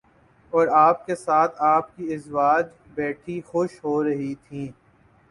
اور آپ کے ساتھ آپ کی ازواج بیٹھی خوش ہو رہی تھیں